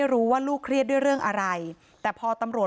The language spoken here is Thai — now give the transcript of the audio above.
พี่สาวบอกว่าไม่ได้ไปกดยกเลิกรับสิทธิ์นี้ทำไม